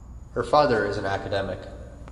Her father is an academic.